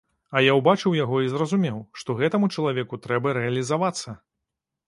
А я ўбачыў яго і зразумеў, што гэтаму чалавеку трэба рэалізавацца.